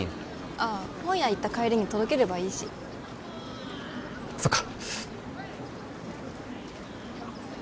ああ本屋行った帰りに届ければいいしそっか